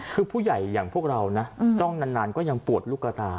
คือผู้ใหญ่อย่างพวกเรานะจ้องนานก็ยังปวดลูกกระตา